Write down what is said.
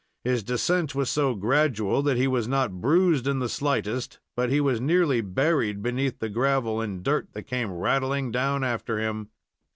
His descent was so gradual that he was not bruised in the slightest, but he was nearly buried beneath the gravel and dirt that came rattling down after him.